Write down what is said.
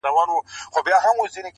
دا کیسه به په رباب کي شرنګېدله٫